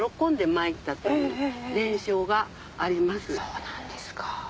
そうなんですか。